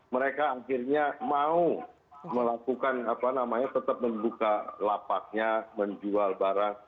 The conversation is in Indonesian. mereka akhirnya mau melakukan apa namanya tetap membuka lapaknya menjual barang